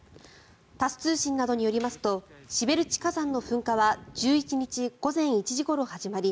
タス通信などによりますとシベルチ火山の噴火は１１日午前１時ごろ始まり